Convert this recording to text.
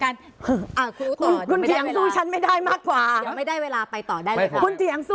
ก็บอกคุณเจ้าขวานบอกว่าพูดได้เต็มที่ไง